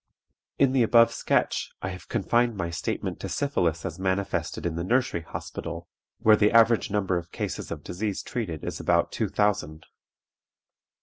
"In the above sketch I have confined my statement to syphilis as manifested in the Nursery Hospital, where the average number of cases of disease treated is about two thousand.